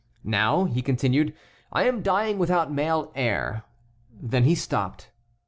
"Now," he continued, "I am dying without male heir." Then he stopped.